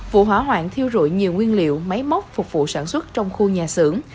vụ hỏa hoạn thiêu rụi nhiều nguyên liệu máy móc phục vụ sản xuất trong khu nhà xưởng